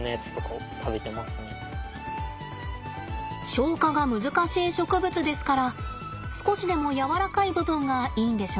消化が難しい植物ですから少しでもやわらかい部分がいいんでしょうね。